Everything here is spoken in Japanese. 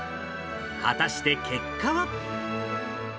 果たして結果は？